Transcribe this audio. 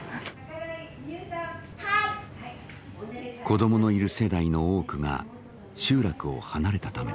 子どものいる世代の多くが集落を離れたためです。